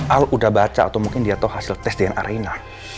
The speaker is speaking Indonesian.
al udah baca atau mungkin dia tau hasil tes di arena